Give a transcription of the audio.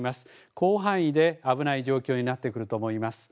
広範囲で危ない状況になってくると思います。